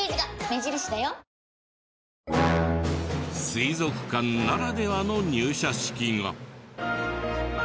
水族館ならではの入社式が。